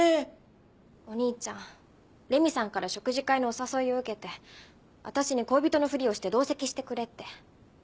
お兄ちゃん麗美さんから食事会のお誘いを受けて私に恋人のふりをして同席してくれって。